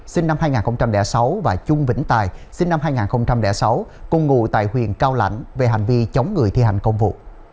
sinh năm hai nghìn sáu và trung vĩnh tài sinh năm hai nghìn sáu cùng ngụ tại huyện cao lãnh về hành vi chống người thi hành công vụ